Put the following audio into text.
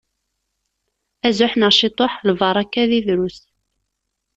Azuḥ neɣ ciṭuḥ, lbaraka deg drus.